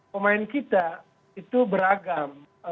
pemain kita itu beragam